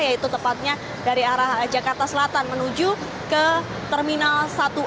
yaitu tepatnya dari arah jakarta selatan menuju ke terminal satu